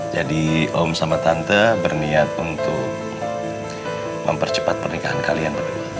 jadi om sama tante berniat untuk mempercepat pernikahan kalian